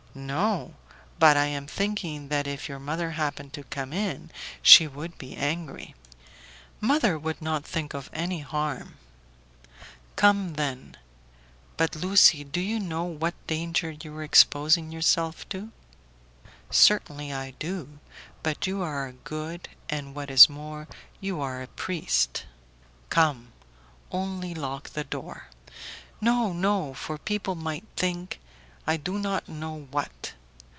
"No; but I am thinking that if your mother happened to come in, she would be angry." "Mother would not think of any harm." "Come, then. But Lucie, do you know what danger you are exposing yourself to?" "Certainly I do; but you are good, and, what is more, you are a priest." "Come; only lock the door." "No, no, for people might think.... I do not know what."